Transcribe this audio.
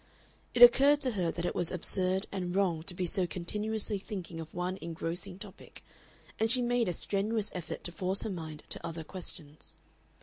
It occurred to her that it was absurd and wrong to be so continuously thinking of one engrossing topic, and she made a strenuous effort to force her mind to other questions.